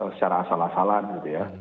secara asal asalan gitu ya